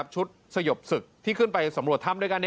สยบศึกที่ขึ้นไปสำรวจถ้ำด้วยกัน